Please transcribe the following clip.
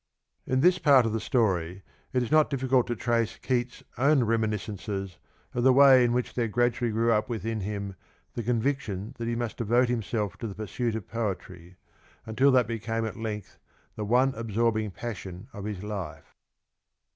In this part of the story it is not difficult to trace Keats's own reminiscences of the way in which there Keatss early araduallv Sfrcw uD withiu him the conviction that he must devote himself to the pursuit of poetry, until that became at length the one absorbing passion of his life.